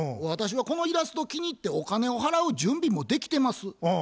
「私はこのイラスト気に入ってお金を払う準備もできてます。